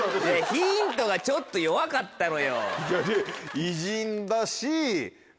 ヒントがちょっと弱かったのよ。